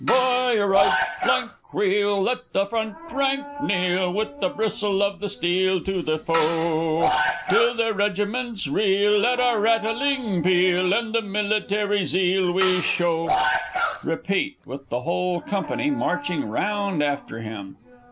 _ By your right flank, Wheel! Let the front rank kneel! With the bristle of the steel To the foe. Till their regiments reel, At our rattling peal, And the military zeal We show! [Illustration: "Shoulder Hump!"] [_Repeat, with the whole company marching round after him.